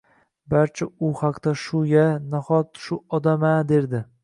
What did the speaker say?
Barcha u haqda shu-ya, nahot shu odam-a derdi.